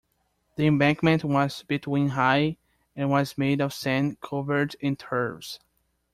The embankment was between high, and was made of sand, covered in turves.